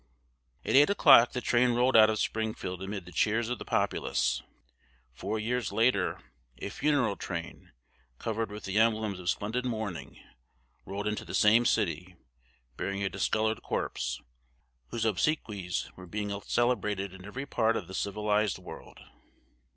At eight o'clock the train rolled out of Springfield amid the cheers of the populace. Four years later a funeral train, covered with the emblems of splendid mourning, rolled into the same city, bearing a discolored corpse, whose obsequies were being celebrated in every part of the civilized world.